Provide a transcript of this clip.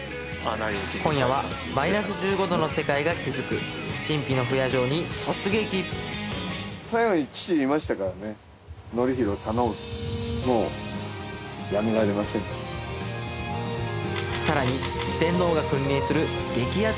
今夜はマイナス１５度の世界が築く神秘の不夜城に突撃さらに四天王が君臨する激アツ